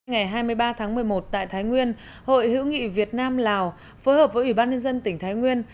ngày hai mươi ba tháng một mươi một tại thái nguyên hội hữu nghị việt nam lào phối hợp với ủy ban nhân dân tỉnh thái nguyên